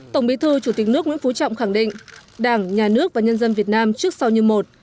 tổng bí thư chủ tịch nước nguyễn phú trọng khẳng định đảng nhà nước và nhân dân việt nam trước sau như một